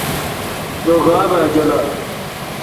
رو غاب اؘ جولال۔